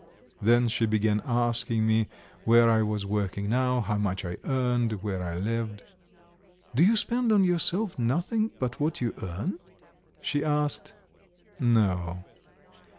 Then she began asking me where I was working now, how much I earned, where I lived. "Do you spend on yourself nothing but what you earn?" she asked. "No."